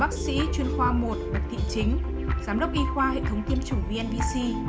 bác sĩ chuyên khoa một bệnh viện tị chính giám đốc y khoa hệ thống tiêm chủng vnvc